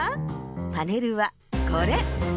パネルはこれ。